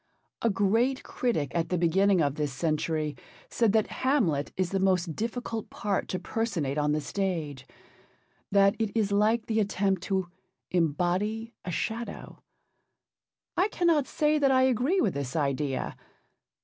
A great critic at the beginning of this century said that Hamlet is the most difficult part to personate on the stage, that it is like the attempt to 'embody a shadow.' I cannot say that I agree with this idea.